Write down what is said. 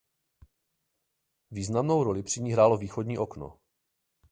Významnou roli při ní hrálo východní okno.